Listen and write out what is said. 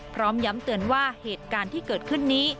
พร้อมย้ำเตือนว่าเหตุการณ์ที่เกิดขึ้นนี้